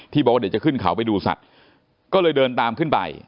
บอกว่าเดี๋ยวจะขึ้นเขาไปดูสัตว์ก็เลยเดินตามขึ้นไป